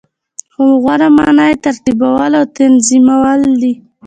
خو غوره معنا یی ترتیبول او تنظیمول دی .